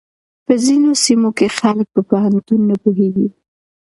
په ځينو سيمو کې خلک په پوهنتون نه پوهېږي.